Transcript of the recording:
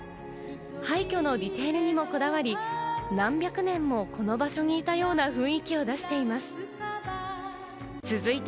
廃虚のディテールにもこだわり、何百年もこの場所にいたような雰囲気を出しています。